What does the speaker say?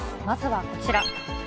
まずはこちら。